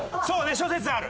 諸説ある！